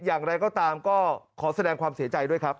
อย่างไรก็ตามก็ขอแสดงความเสียใจด้วยครับ